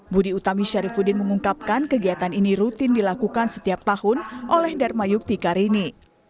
budi utami syarifudin mengungkapkan kegiatan ini rutin dilakukan setiap tahun oleh dharma yukti karini